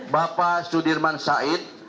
bapak sudirman said